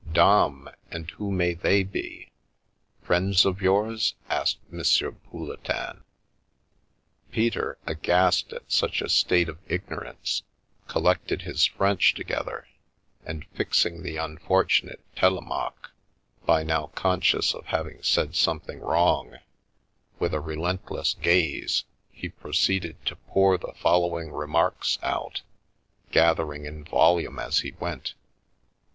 " Dame ! And who may they be ? Friends of yours ?" asked Monsieur Pouletin. Peter, aghast at such a state of ignorance, collected _o Via Amoris his French together and fixing the unfortunate Tele maque — by now conscious of having said something wrong — with a relentless gaze, he proceeded to pour the following remarks out, gathering in volume as he went.